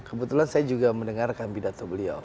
kebetulan saya juga mendengarkan pidato beliau